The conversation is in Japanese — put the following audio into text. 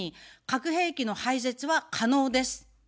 核兵器の廃絶は可能です。